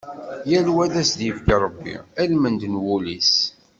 Yal wa, ad as-d-yefk Ṛebbi almend n wul-is.